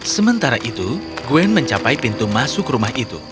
sementara itu gwen mencapai pintu masuk rumah itu